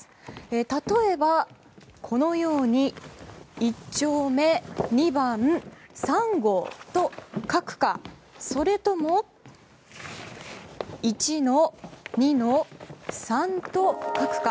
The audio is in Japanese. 例えば、このように一丁目２番３号と書くかそれとも、１‐２‐３と書くか。